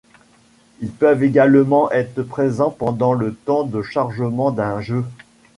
Ils peuvent également être présent pendant le temps de chargement d'un jeu.